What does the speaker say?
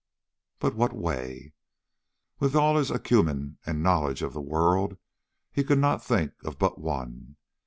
But what way? With all his acumen and knowledge of the world, he could think of but one.